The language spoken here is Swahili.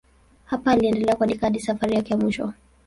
Hapa aliendelea kuandika hadi safari yake ya mwisho.